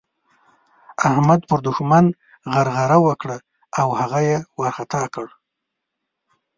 احمد پر دوښمن غرغړه وکړه او هغه يې وارخطا کړ.